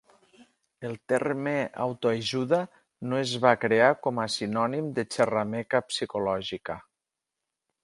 El terme "autoajuda" no es va crear com a sinònim de xerrameca psicològica.